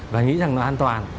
và nghĩ rằng nó an toàn